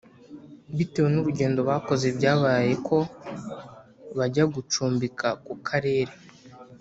Bitewe n’urugendo bakoze byabaye ko bajya gucumbika ku karere